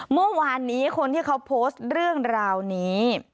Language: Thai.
เมื่อวานนี้คนที่เขาโพสต์เรื่องราวนี้